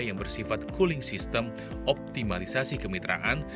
yang bersifat cooling system optimalisasi kemitraan